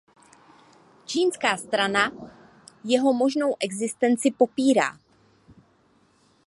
Čínská strana jeho možnou existenci popírá.